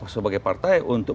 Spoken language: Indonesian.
sebagai partai untuk